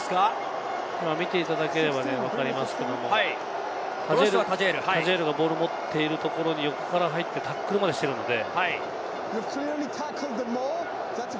今見ていただければわかりますけれども、タジェールがボールを持っているところに横から入ってタックルまでしているので。